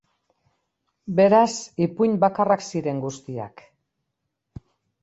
Beraz, ipuin bakarrak ziren guztiak.